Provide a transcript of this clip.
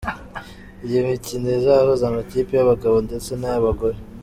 Iyi mikino izahuza amakipe y’abagabo ndetse n’ay’abagore.